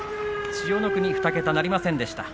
千代の国、２桁なりませんでした。